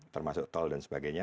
termasuk tol dan sebagainya